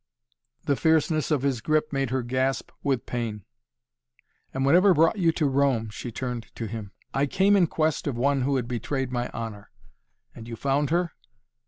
The fierceness of his grip made her gasp with pain. "And whatever brought you to Rome?" she turned to him. "I came in quest of one who had betrayed my honor." "And you found her?"